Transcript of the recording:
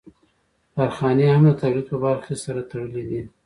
کارخانې هم د تولید په برخه کې سره تړلې دي